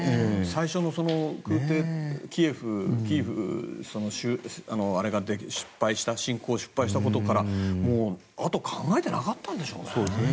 最初のキーウの侵攻を失敗したことから、あとは考えてなかったんでしょうね。